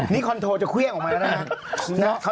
นี่คนโทรจะเครื่องออกมาแล้วน่ะ